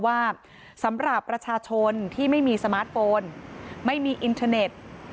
สำหรับประชาชนที่ไม่มีสมาร์ทโฟนไม่มีอินเทอร์เน็ต